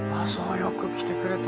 よく来てくれたね。